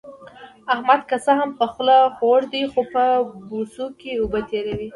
احمد که څه هم په خوله خوږ دی، خو په بوسو کې اوبه تېروي.